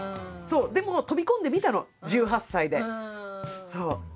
でも飛び込んでみたの１８歳で。